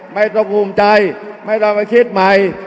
ไม่ต้องภูมิใจไม่ต้องไปคิดใหม่